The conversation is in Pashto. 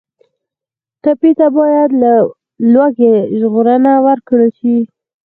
ټپي ته باید له لوږې ژغورنه ورکړل شي.